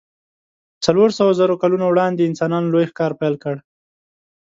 څلور سوو زرو کلونو وړاندې انسانانو لوی ښکار پیل کړ.